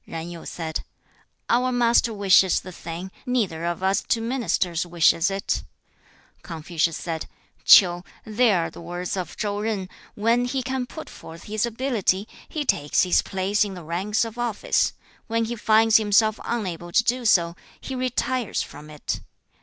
5. Zan Yu said, 'Our master wishes the thing; neither of us two ministers wishes it.' 6. Confucius said, 'Ch'iu, there are the words of Chau Zan, "When he can put forth his ability, he takes his place in the ranks of office; when he finds himself unable to do so, he retires from it.